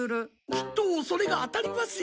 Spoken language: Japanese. きっとそれが当たりますよ。